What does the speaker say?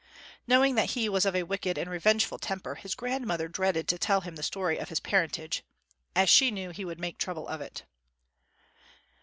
Knowing that he was of a wicked and revengeful temper, his grandmother dreaded to tell him the story of his parentage; as she knew he would make trouble of it.